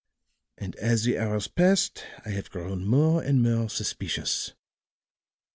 And as the hours passed I have grown more and more suspicious.